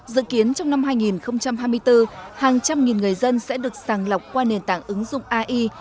dự kiến trong năm hai nghìn hai mươi bốn hàng trăm nghìn người dân sẽ được sàng lọc qua nền tảng ứng dụng ai